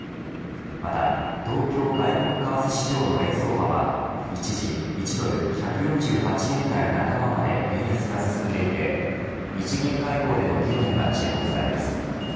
また東京外国為替市場の円相場は一時１ドル１４８円台半ばまで円安が進んでいて日銀会合での議論が注目されます。